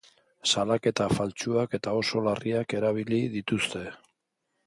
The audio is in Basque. Salaketa faltsuak eta oso larriak erabili dituzte.